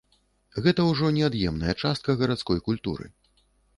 Гэта ўжо неад'емная частка гарадской культуры.